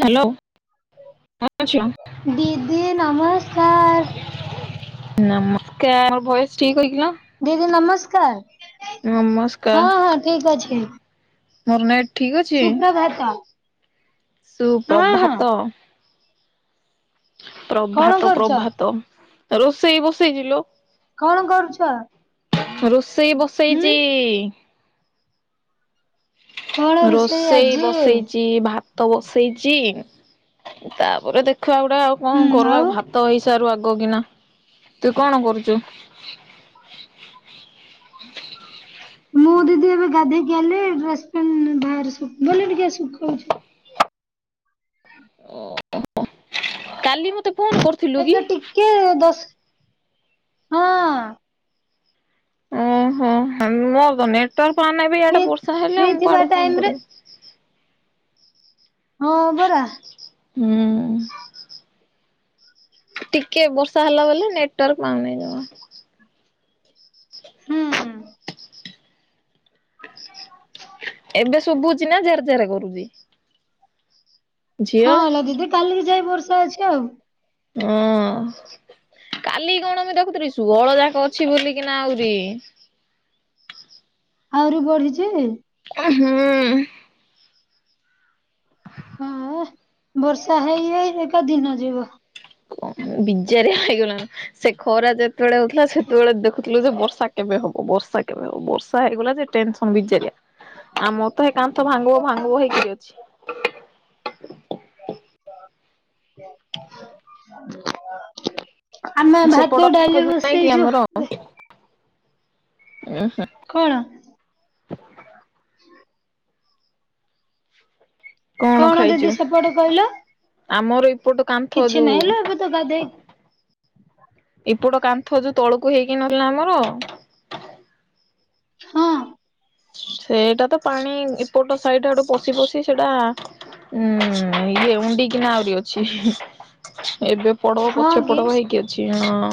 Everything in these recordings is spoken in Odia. ହ୍ୟାଲୋ କଣ କରୁଛ? ଦିଦି ନମସ୍କାର। ନମସ୍କାର, ଭଏସ୍ ଠିକ୍ ଲାଗିଲା। ଦିଦି ନମସ୍କାର, ହଁ- ନମସ୍କାର ହଁ ଠିକ ଅଛି। ମୋର ନେଟ ଠିକ ଅଛି, ସୁପ୍ରଭାତ ହଁ ହଁ ସୁପ୍ରଭାତ କଣ ପ୍ରଭାତ କରୁଛ ପ୍ରଭାତ, ରୋଷେଇ ବସେଇଚି ଲୋ। କଣ କରୁଛ ରୋଷେଇ ବସେଇଚି। ହୁଁ କଣ ରୋଷେଇ ଆଜି ବସେଇଚି ଭା ତ ବସେଇଚି, ତାପରେ ଦେଖିବା ଆଉ ଗୋଟେ ଆଉ କଣ ହୁଁ କରବା ଆଉ ଭା ତ ହେଇସାରୁ ଆଗ କିନା। ତୁ କଣ କରୁଛୁ? ହ ମୁଁ ଦିଦି ଏବେ ଗାଧେଇ କି ଆଇଲି, ଡ୍ରେସ୍ ପିନ୍ଧ ବାହାରିବି ବୋଲି ଟିକେ ସୁଖଉଛି। ହଁ ଓ କାଲି ମ ତେ ଟିକେ ଦଶ ହଁ। ହଁ, ମୋର ତ ନେଟୱାର୍କ ପାଉନି ବି ଫ୍ରି ଆଡେ ବର୍ଷା ହେଲେ, ଫ୍ରି ଆଉ ମୁଁ ଥିବା କୁଆଡୁକୁ ଫୋନ ଟାଇମ ରେ କରିବି। ହଁ, ପରା। ହୁଁ। ଟିକେ ବର୍ଷା ହେଲା ବୋଲି ନେଟୱାର୍କ ପାଉନାହିଁ ଜମା। ହୁଁ। [inaudible] [inaudible] ଏବେ ଶୁଭୁଛି ନା ଜାର ଜାର କରୁଛି। ହଁ ଏଲା ଦିଦି କାଲିକି ଯାଇ ବର୍ଷା ଅଛି ଆଉ। ହଁ। କାଲି କଣ ମୁଁ ଦେଖୁଥିଲି ସୁହଳ ଯାକ ଅଛି ବୋଲିକିନା ଆହୁରି। ଆହୁରି ବଢିଛି। ଉଁ ହୁଁ। ହେ ବର୍ଷା ହେଇ ହେଇ କା ଦିନ ଯିବ। ବିଜାରେ ହେଇଗଲାଣି ସେ ଖରା ଯେ ଯେତେବେଳେ ହଉଥିଲା ସେତେବେଳେ ଦେଖୁଥିଲୁ ଯେ ବର୍ଷା କେବେ ହବ ବର୍ଷା ବର୍ଷା ହେଇଗଲା ଯେ ଟେନସନ ବିଜାରିଆ ଅମର ତ ତ ହେ କାନ୍ଥ ଭାଙ୍ଗିବ ଭାଙ୍ଗିବ ହେଇକି ଆମେ ଭାତ ସେପଟ ଡାଲି ଖୋଜୁ ନାଇଁ କି ବସେଇଛୁ ଆମର ଉଁ ହୁ। କଣ? ହୁଁ କଣ ଦିଦି ସେପଟେ କହିଲ? ଆମର ଏପଟ କାନ୍ଥ କିଛି ନାହିଁ ଲୋ ଏବେ ତ ଗାଧେଇ ଯୋଉ ଏପଟ କାନ୍ଥ ଯୋଉ ତଳକୁ ହେଇକି ନଥିଲା ଆମର। ହଁ। ସେଇଟା ତ ପାଣି ଏପଟ ସାଇଟ ଆଡୁ ପଶି ପଶି ସେଇଟା ହୁଁ, ଇଏ ଉଣ୍ଡିକିନା ଆହୁରି ଅଛି। ଏବେ ପଡବ ହଁ ପଛ କି ପଡବ ହେଇକି ଅଛି। ହଁ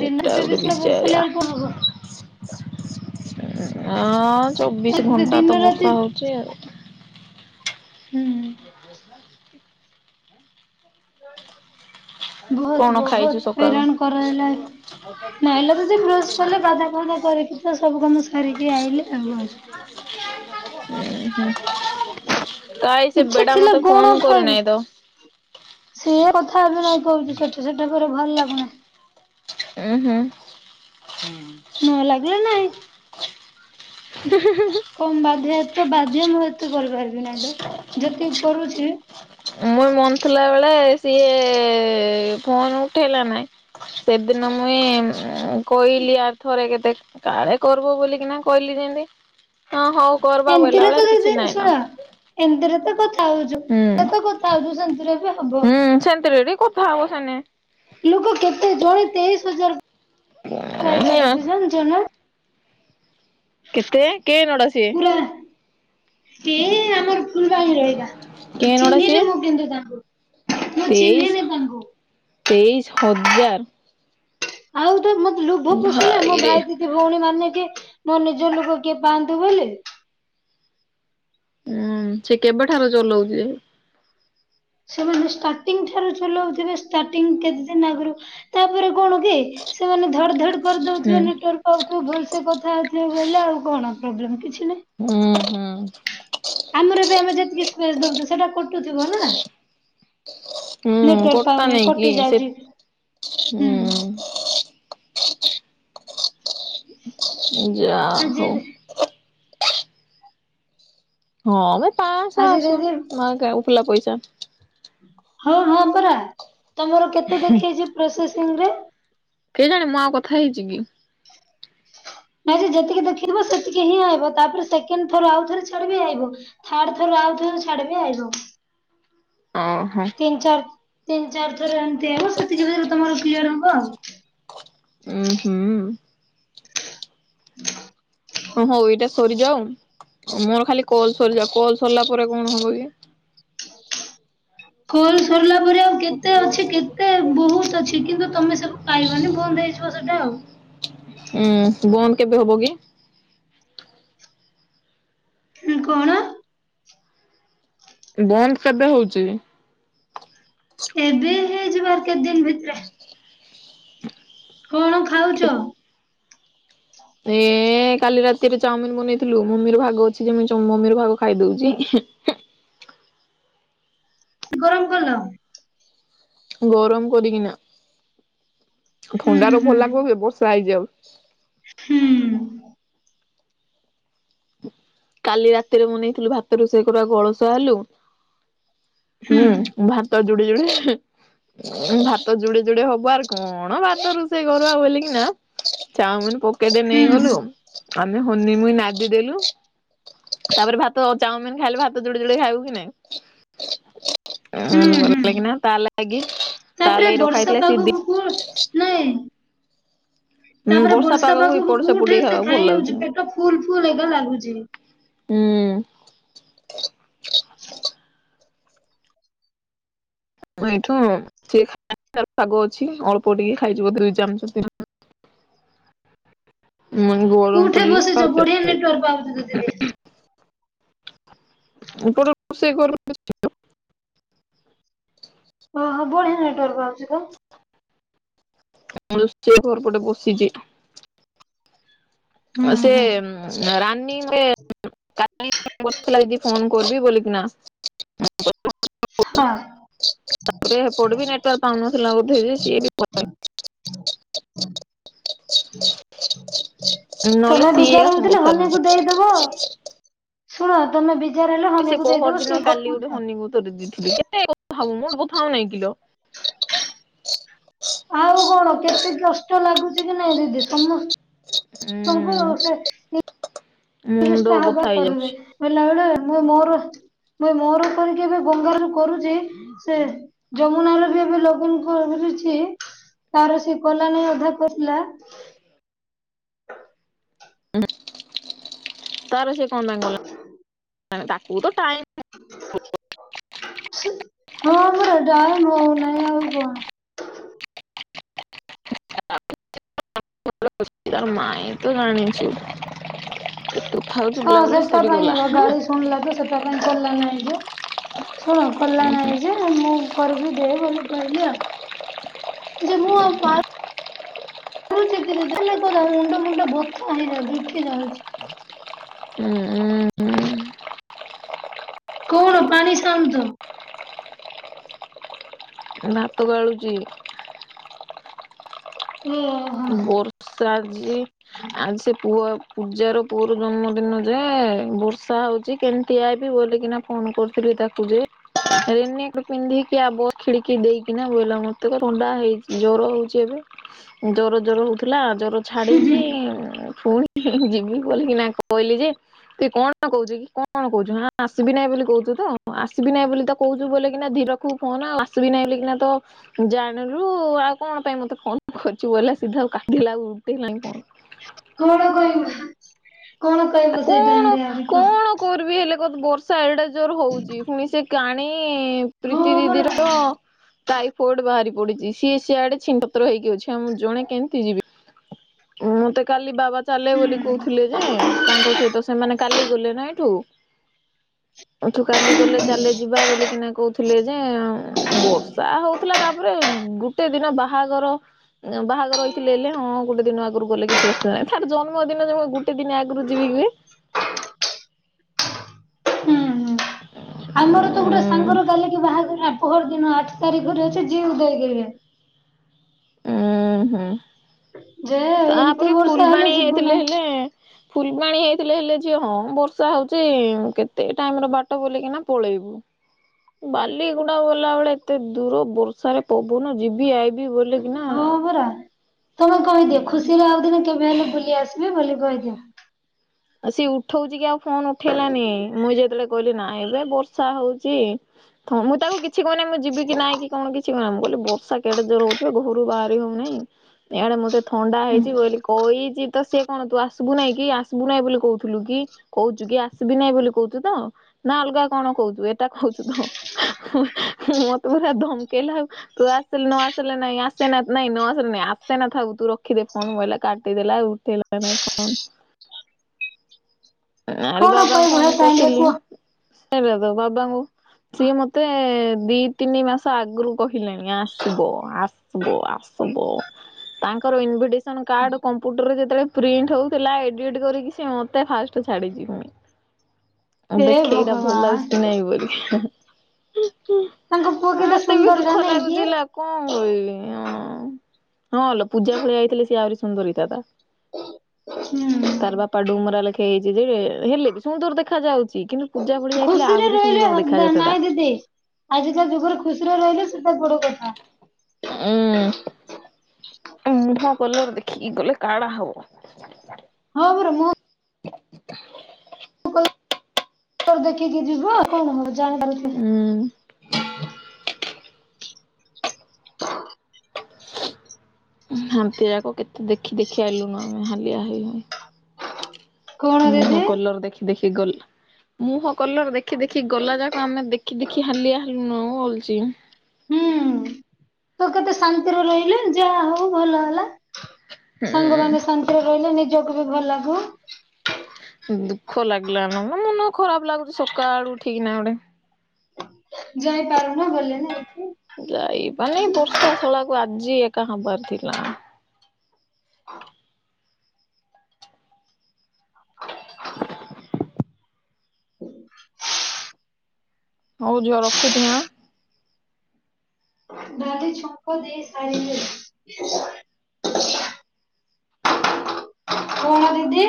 ଦିନରେ ଗୋଟେ ଚବିଶ ଘଣ୍ଟା ବର୍ଷା ହେଲେ ବିଯାରିଆ। ଆଉ କଣ ହବ? ହଁ ଚବିଶ ଘଣ୍ଟା ଦିନ ତ ରାତି ବର୍ଷା ହଉଚି ଆଉ। ହୁଁ। [unintelligible] ବହୁତ କଣ ବହୁତ ଖାଇଛୁ ସକାଳୁ? ହଇରାଣ କରାହେଲା। ବର୍ଷା ଦିନ [unintelligible] ନାଇଁଲୋ ବସିବୁ ଦିଦି ବ୍ରସ୍ କଲେ ଗାଧା ପାଧା କରିକି ତ ସବୁ କାମ ସାରିକି [unintelligible] ଆଇଲି ଆଉ। ଶିଖିବୁ ଉଁ ହୁଁ। କାଇଁ ସେ ଇଚ୍ଛା ବେଟା ଥିଲେ ମତେ ଫୋନ କରିନେଇଁ ତ? ସିଏ କଥା ବି ନୟ କହୁଛି ସେଠି ସେଠି ଫେରେ ଭଲ ଲାଗୁନି। ଉଁ ହୁଁ ହୁଁ। ନ ଲାଗିଲେ ନାଇଁ। ହ କମ ବାଧ୍ୟ ଏତେ ବାଧ୍ୟ ମୁଁ ଏତେ କରିପାରିବି ନାହିଁ ତ ଯେତିକି କରୁଛି ମୋର ମନ ଥିଲା ବେଳେ ସିଏ ଫୋନ ଉଠେଇଲା ନାଇଁ। ସେଦିନ ମୁଇଁ କହିଲି ଆର୍ ଥରେ କେତେ କାଳେ କରିବ ବୋଲିକିନା କହିଲି ଯେମତି ହଁ ହଉ କର ବା ବୋଇଲା ଏମିତିରେ ତ ବେଳାରେ କିଛି ଦିଦି ନାଇଁ ନ ଶୁଣ ଏମିତିରେ ତ କଥା ହଉଛୁ। ହୁଁ। ତ କଥା ହଉଛୁ ସେମତି ହୁଁ, ସେମିତି ରେ ଟି କଥା ହବ ସେନେ। ଲୋକ କେତେ ଜଣେ ତେଇଶ ହଜାର ପାଇଛି ଜାଣିଛ ନା। କେତେ କେଏ ନଡା ସିଏ। ଏ ଆମର [unintelligible] ରହେଗା କେ ନଡା ସିଏ ଚିହ୍ନିଲି ମୁଁ କିନ୍ତୁ ତାଙ୍କୁ। ମୁଁ ଚିହ୍ନିନି ତେଇଶ ତାଙ୍କୁ ତେଇଶି ହଜାର। ଆଉ ତ ମତେ ଲୋଭ ପୋଷିଲେ ମୋ ଭାଇରେ ଭାଇ ଭଉଣୀ ମାନେ କି ମୋ ନିଜ ଲୋକ କିଏ ପାଆନ୍ତୁ ବୋଲି। ହୁଁ ସେ କେବେଠାରୁ ଚଲଉଛି? ସେମାନେ ଷ୍ଟାର୍ଟିଂ ଠାରୁ ଚଲଉଥିବେ ଷ୍ଟାର୍ଟିଂ କେତେ ଦିନ ଆଗରୁ ତାପରେ କଣ କି ସେମାନେ ଧଡ ଧଡ ହୁଁ। କରିଦଉଥିବେ ନେଟୱର୍କ ଆଉ ତୁ ଭଲସେ କଥା ହେଉଥିଲେ ବୋଲେ ଆଉ କଣ ପ୍ରୋବ୍ଲେମ କିଛି ନାହିଁ। ହୁଁ ହୁଁ। ଆମର ବି ଆମେ ଯେତିକି ସ୍ପେସ ଦଉଛୁ ସେଟା କଟୁଥିବ ନା। ନେଟୱାର୍କ ପାଉନାହିଁ କଟି ଯାଉଛି। ହୁଁ [unintelligible] ଯା ହଉ। ଆଜି ହଁ, ମ ପାଶହ ଆଜି ଆସୁ ଦିଦି ତୁମ ଉଫୁଲା ପଇସା। ହଁ ହଁ, ପରା ତମର କେତେ ଦେଖେଇଛି ପ୍ରୋସେସିଂ ରେ? କେ ଜାଣେ ମୁଁ ଆଉ କଥା ହେଇଛି କି। ନାଇଁ ଯେ ଯେତିକି ଦେଖିଥିବ ସେତିକି ହିଁ ଆଇିବ। ତାପରେ ସେକେଣ୍ଡ ଥର ଆଉ ଥରେ ଛାଡ଼ିବି ଆଇିବ। ଥାର୍ଡ ଥର ଆଉଥିରେ ଛାଡି ବି ଆଇବ। ଓ ହୋ। ତିନି ଚାରି ତିନି ଚାରି ଥର ଏମିତି ହବ ସେତିକି ରେ ତମର କ୍ଲିୟର ହବ। ଉୁଁ ହୁଁ। ହ ହଉ ଏଇଟା ସରିଯାଉ ମୋର ଖାଲି କଲ ସରିଯାଉ କଲ ସରିଲା ପରେ କଣ ହବ କି? କଲ ସରିଲା ପରେ ଆଉ କେତେ ଅଛି କେତେ ବହୁତ ଅଛି କିନ୍ତୁ ତମେ ସବୁ ପାଇବନି ବନ୍ଦ ହେଇଯିବ ସେଟା ଆଉ। ହୁଁ ବନ୍ଦ କେବେ ହବ କି? ହଁ କଣ? ବନ୍ଦ କେବେ ହଉଛି? ଏବେ ହେଇଯିବ ଆର୍ କେତେ ଦିନ ଭିତରେ। କଣ ଖାଉଛ? ଏ କାଲି ରାତିରେ ଚାଉମିିନ ବନେଇଥିଲୁ ମମିର ଭାଗ ଅଛି ଯେ ମୁଁ ମମିର ଭାଗ ଖାଇଦଉଛି। ଗରମ କଲ? ଗରମ କରିକିନା ହୁଁ ଥଣ୍ଡାର ହୁଁ ଭଲ ଲାଗବ କି ବର୍ଷା ହେଇଚି ଆଉ। ହୁଁ। ହୁଁ କାଲି ରାତିରେ ମୁଁ ବନେଇଥିଲୁ ଭାତ ରୋଷେଇ କରିବାକୁ ଅଳସୁଆ ହେଲୁ ହୁଁ ଭାତ ଯୁଡେ ଯୁଡେ ଭାତ ଯୁଡେ ଯୁଡେ ହବ ଆରେ କଣ ଭାତ ରୋଷେଇ କରିଆ ବୋଲି କିିନା ଚାଉମିନ ପକେଇଦେଇ ହୁଁ। ନେଇଗଲୁ ଆମେ ହନି ମୁଇ ନାଦି ଦେଲୁ ତାପରେ ଭାତ ଚାଉମିିନ ଖାଇଲେ ଭାତ ଯୋଡେ ଯୋଡେ ଖାଇବୁ କି ନାଇଁ? ଉଁ ହୁଁ ଭଲ ହୁଁ ଲାଗିନା ତା ଲାଗି ତା ତାପରେ ଲାଗି ରଖା ବର୍ଷା ହେଇଥିଲା ସିି ଦି ପାଗକୁ କୁ ନାଇଁ ହୁଁ ତାପରେ ବର୍ଷା ପାଗକୁ ଏପଟ ସେପଟ କୋଉଠି ଟିକେ ଏତେ ଖାଇବାକୁ ଭଲ ଖାଇ ଲାଗୁଛି। ହାଉଛି ପେଟ ଫୁଲ ଫୁଲ ଏକା ଲାଗୁଛି। ହୁଁ। [inaudible] [unintelligible] ମୁଁ ଏଇ ଗରମ କୋଉଠି ବସିଛ କରିକି ଖାଉଛି ବଢିଆ ନେଟୱାର୍କ ପାଉଛି ତ ଦିଦି। ଏବେ। [unintelligible] ଓହୋ ବଢିଆ ନେଟୱାର୍କ ଅଛି ତ। [unintelligible] ହୁଁ ସେ ହୁଁ। ରାନୀ ଏ କା [unintelligible] ହଁ। [unintelligible] ନହେଲେ ତମେ ସିଏ ବିଜାର ଫୋନ ହଉଥିଲ କରିଥାନ୍ତା ହନୀକୁ ଦେଇଦବ। ଶୁଣ ତମେ ବିଜାର ହେଲେ ହନୀକୁ ଦେଇଦବ ସିଏ ଗପୁଥାଉ। [unintelligible] କେ ଭାବୁ ମୁଁ ଏକଥାଉ ନାଇଁ କିଲ। ଆଉ କଣ କେତେ କଷ୍ଟ ଲାଗୁଛି କି ନାଇଁ ଦିଦି ସମସ୍ତେ [unintelligible] ଉଁ ମୁଣ୍ଡ ବଥା ହେଇଯାଉଛି [unintelligible] ମୁ ମୋର କରିକି ଏବେ ବଙ୍ଗାରୁରୁ କରୁଛି ସେ ଯମୁନା ର ବି ଏବେ ଲଗନ କରଛି। ତାର ସେ କଲା ନେଇ ଅଧା କରଥିଲା। ତାର ସେ କଁ ପାଇଁ କଲା ତାକୁ ତ ଟାଇମ୍ ହଁ ପରା ଟାଇମ୍ ହୋଉନାହିଁ ଆଉ କଣ [unintelligible] ତା ମାଇଁ ତ ଜାଣିଚୁ। ହଁ ସେଇଟା ପାଇଁ ସରିଗଲା ଏକା ଗାଳି ଶୁଣିଲା ତ ସେଟା ପାଇଁ କଲା ନାହିଁ ଯେ ଶୁଣ କଲା ଉଁ ନାଇଁ ଯେ ମୁଁ କରିବି ଦେ ବୋଲି କହିଲି ଆଉ ଯେ ମୁଁ ଆଉ ପାଇ [unintelligible] ମୁଣ୍ଡ ମୁଣ୍ଡ ବଥା ହେଇଯାଉଚି ଉଠି ଯାଉଛି। ଉଁ ଉଁ ଉଁ କଣ ପାଣି ସାଉଣ୍ଡୁ ତ ଭାତ ଗାଳୁଚି। ଓହୋ ବର୍ଷା ଯେ [unintelligible] ଆଉ ସେ ପୁଅ ପୂଜାର ପୁଅର ଜନ୍ମଦିନ ଯେ ବର୍ଷା ହେଉଚି କେମିତି ଆଇବି ବୋଲିକିନା ଫୋନ୍ କରିଥିଲେ ତାକୁ ଯେ ରେନିକୋଟ୍ ପିନ୍ଧିକି ଆ ବସ୍ ଖିଡ଼ିକି ଦେଇକିନା ବୋଇଲା ମତେ ପା ଥଣ୍ଡା ହେଇଚି ଜର ହୋଉଚି ଏବେ। ଜର ଜର ହୋଉଥୁଲା ଜର ଛାଡିଚି ଫୁଣି [unintelligible] ଯିବି ବୋଲିକିନା କହିଲି ଯେ ତୁଇ କଣ କୋହୁଚୁ କି କଣ କୋହୁଚୁ ହାଁ ଆସିବି ନାଇଁ ବୋଲି କୋହୁଚୁ ତ ଆସିବି ନାଇଁ ବୋଲି ତ କୋହୁଚୁ ବୋଲେକିନା ଧିର କୁ ଫୋନୋ ଆଉ ଆସିବି ନାହିଁ ବୋଲିିକନା ତ ଜାଣିଲୁ ଆଉ କଣ ପାଇଁ ମତେ ଫୋନ୍ କରି ଚୁ ବୋଲେ ସିଧା ଆଉ କାଟି ଦେଲା ଆଉ ଉଠେଇଲାନି ଫୋନ୍। କଣ କହିବୁ କଣ ଆଉ କହିବୁ ସେଇ କଣ ଟାଇମରେ ଆହୁରି କୁହ। କଣ କରିବି ହେଲେ କହତ ବର୍ଷା ଏଡେ ଜୋର୍ ହୋଉଚି ଫୁଣି ସେ କାଣି ହଁ ପ୍ରୀତି ପରା ଦିଦିର ଟାଇଫଏଡ୍ ବାହାରି ପଡିଚି। ସିଏ ସିଆଡେ ଛିନ୍ ଛତ୍ର ହେଇକି ଅଛି ଆଉ ମୁଁ ଜଣେ କେମିତି ଯିବି ଉଁ ମତେ କାଲି ବାବା ଚାଲେ ହୁଁ ବୋଲି କୋହୁଥିଲେ ଯେ ତାଙ୍କ ସହିତ ସେମାନେ କାଲି ଗଲେ ନା ଏଇଠୁ ଏଠୁ କାଲି ଗଲେ ଚାଲେ ଯିବା ବୋଲିକିନା କୋହୁଥୁଲେ ଯେ ବର୍ସ ର୍ଷା ହୋଉଥୁଲା ତାପରେ ଗୁଟେ ଦିନ ବାହାଘର। ଉଁ ବାହାଘର [unintelligible] ଥିଲେ ହେଲେ ହଁ ଗୋଟେ ଦିନ ଆଗୁରୁ ଗଲେ କିଛି ଅସୁ ଥାଏ ତାର ଜନ୍ମଦିନ ଯେ ମୁଁ ଗୁଟେ ଦିନ ଆଗୁରୁ ଯିବିକି ବେ। ଉଁହୁଁ। ଆମର ତ ଗୁଟେ ସାଙ୍ଗର କାଲିକି ବାହାଘର ଆ ପହର ଦିନ ଆଠ ତାରିଖରେ ଅଛି। [unintelligible] ଉଁହୁଁ ଯେ ଏମିତି ତାପରେ ବର୍ଷା ଫୁଲବାଣୀ ହେଲେ ଯିବୁ ହେଇଥିଲେ ନାହିଁ ହେଲେ ଫୁଲବାଣୀ ହେଇଥିଲେ ହେଲେ ଝିଏ ହଁ ବର୍ଷା ହୋଉଚି କେତେ ଟାଇମର ବାଟ ବୋଲିକିନା ପଳେଇ [unintelligible] ବାଲିଗୁଣ୍ଡା ଗଲାବେଳେ ଏତେ ଦୂର ବର୍ଷାରେ ପବନ ଯିବି ଆଇବି ବୋଲି ହଁ ପରା ତମେ କହିଦିଅ ଖୁସିରେ ଆଉ ଦିନେ କେବେ ହେଲେ ବୁଲି ଆସିବି ବୋଲି କହିଦିଅ। ଆଉ ସିଏ ଉଠୋଉଚି କି ଆଉ ଫୋନ୍ ଉଠେଇଲାନି ମୁଇଁ ଯେତେବେଳେ କହିଲି ନାଇଁବେ ବର୍ଷା ହୋଉଚି। ଥ ମୁଁଇ ତାକୁ କିଛି କହିନେଇ ମୁଁ ଯିବିକି ନାଇଁ କି କଣ କିଛି କହେନା ମୁଁ କହିଲି ବର୍ଷା କେଡେ ଜୋର ହୋଉଚିବେ ଘରୁ ବାହାରି ହୋଉନେଇ। ଏଆଡେ ମତେ ଥଣ୍ଡା ହେଇଚି ହୁଁ ବୋଲି କହିଚି ତ ସିଏ କଣ ତୁ ଆସିବୁ ନେଇଁ କି ଆସ୍ ଆସିବୁ ନାଇଁ ବୋଲି କୋହୁଥୁଲୁ କି କୋହୁଚୁକି ଆସିବି ନାଇଁ ବୋଲି କୋହୁଚୁ ତ। ନା ଅଲଗା କଣ କୋହୁଚୁ ଏଟା କୋହୁଚୁ ତ [unintelligible] ମତେ ପୁରା ଧମକେଇଲା ଆଉ। ତୁ ଆସିଲେ ନ ଆସିଲେ ନାଇଁ ଆସେନା ନାଇଁ ନ ଆସିଲେ ନାଇଁ ଆସେ ନା ଥାଉ ତୁ ରଖିଦେ ଫୋନୋ ବୋଇଲା କାଟିଦେଲା ଉଠେଇଲା [unintelligible] [unintelligible] କଣ ବାବା କହିବ ହେ ଫୋନ ଟାଇମ୍ ରେ କରିଥିଲି କୁହ? ସେଇଟା ତ ବାବାଙ୍କୁ ସିଏ ମତେ ଦିଇ ତିନି ମାସ ଆଗୁରୁ କହିଲାଣି ଆସିବ ଆସି ସିବ ଆସବ। ତାଙ୍କର ଇନ୍ଭିଟେଶନ୍ କାର୍ଡ କମ୍ପୁଟରରେ ଯେତେବେଳେ ପ୍ରିଣ୍ଟ ହୋଉଥିଲା ଏଡ଼ିଟ କରିକି ସିଏ ମତେ ଫାଷ୍ଟ ଠ ଛାଡିଚି ମୁଇଁ ଉଁ ହେ ଦେଖେ ଏଇଟା ଭଲ ଲାଗୁଛି କି ଭଗବାନ ନାଇଁ ବୋଲି। ତାଙ୍କ ପୁଅ କେତେ ସୁନ୍ଦର ଦୁଃଖ ଜାଣ କି? ଲାଗୁଛି ଲା କଣ କହିବି ଅଁ, ହଁ ଲୋ ପୂଜା ଭଳିଆ ହେଇଥିଲେ ସିଏ ଆହୁରି ସୁନ୍ଦର ହେଇଥାନ୍ତା। ହୁଁ ତାର ବାପା ଡୁମରା ଲେଖେ ହେଇଚି ଯେ ହେଲେ ବି ସୁନ୍ଦର ଦେଖା ଯାଉଚି। କିନ୍ତୁ ପୂଜା ଭଳିଆ ହେଇଥିଲେ ଖୁସିରେ ଆହୁରି ରହିଲେ ସୁନ୍ଦର ଦେଖା ହବ ଯାଇଥାନ୍ତା। ନାଇଁ ଦିଦି? ଆଜିକା ଯୁଗରେ ଖୁସିରେ ରହିଲେ ସେଟା ବଡ କଥା। ଏ ଅଁ, ମୁହଁ କଲର ଦେଖିକି ଗଲେ କାଣା ହବ। [unintelligible] ହଁ ମୋର ମ ହ କଣ ଦେଖିକି ଯିବ ଆଉ କଣ ହବ ଜାଣିପାରୁଥିବେ। ଉଁ ହ ହାନ୍ତି ଯାକ କେତେ ଦେଖି ଦେଖି ଆଇଲୁନୁ ଆମେ ହାଲିଆ ହେଇ ହେଇ। କଣ ମୁହଁ ଦିଦି କଲର ଦେଖି ଦେଖି ଗଲା। ମୁହଁ କଲର ଦେଖି ଦେଖି ଗଲା ଯାକ ଆମେ ଦେଖି ଦେଖି ହାଲିଆ ହେଲୁଣୁ ବୋଲଚି। ହୁଁ, ତୁ କେତେ ଶାନ୍ତିରେ ରହିଲୁ ଯାହା ହଉ ଭଲ ହେଲା। ସାଙ୍ଗ ହୁଁ। ମାନେ ଶାନ୍ତିରେ ରହିଲେ ନିଜକୁ ବି ଭଲ ଲାଗୁ। ଦୁଃଖ ଲାଗିଲାନ, ମୋ ମନ ଖରାପ ଲାଗୁଚି ସକାଳୁ ଉଠିକିନା ଗୋଟେ। ଯାଇପାରୁନା ଗଲେ ନାଇ। ଯାଇ ମାନେ ବର୍ଷା ଶଳାକୁ ଆଜି ଏକା ହବାର ଥିଲା। ହ ହଉ ଝିଅ ରଖୁଚି ଆଁ? ଡାଲି ଛୁଙ୍କ ଦେଇ ସାରିଲେ। କଣ ଦିଦି?